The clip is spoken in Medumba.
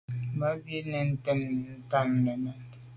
Bàm o bo bi bi nèn nta ntàne.